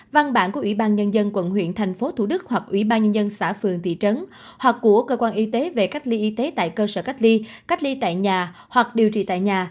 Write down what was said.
văn bản của ủy ban nhân dân quận huyện thành phố thủ đức hoặc ủy ban nhân dân xã phường thị trấn hoặc của cơ quan y tế về cách ly y tế tại cơ sở cách ly cách ly tại nhà hoặc điều trị tại nhà